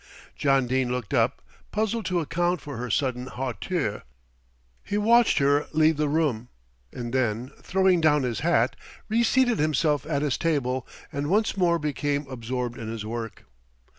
John Dene looked up, puzzled to account for her sudden hauteur. He watched her leave the room, and then, throwing down his hat, reseated himself at his table and once more became absorbed in his work.